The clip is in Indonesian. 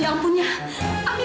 aduh jangan bantu saya itu